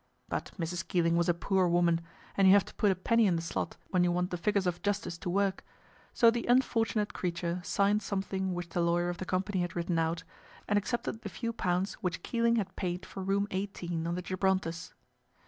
But Mrs. Keeling was a poor woman, and you have to put a penny in the slot when you want the figures of justice to work, so the unfortunate creature signed something which the lawyer of the company had written out, and accepted the few pounds which Keeling had paid for Room 18 on the Gibrontus.